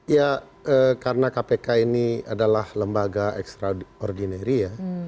ya karena kpk ini adalah lembaga extraordinary ya